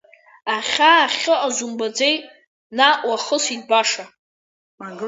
Ахьаа ахьыҟаз умбаӡеит, наҟ уахысит баша.